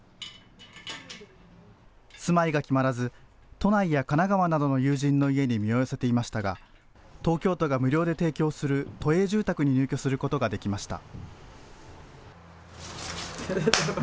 住まいが決まらず、都内や神奈川などの友人の家に身を寄せていましたが、東京都が無料で提供する都営住宅に入居することができました。